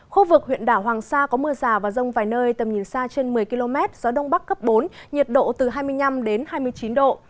khu vực huyện đảo hoàng sa có mưa rào và rông vài nơi tầm nhìn xa trên một mươi km gió đông bắc cấp bốn nhiệt độ từ hai mươi năm đến hai mươi chín độ